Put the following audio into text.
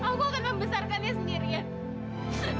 aku akan membesarkan dia sendirian